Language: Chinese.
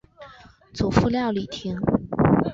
祖父廖礼庭。